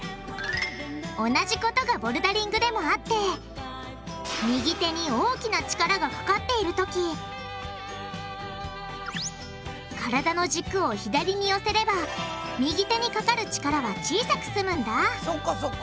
同じことがボルダリングでもあって右手に大きな力がかかっているとき体の軸を左に寄せれば右手にかかる力は小さく済むんだそうかそうか。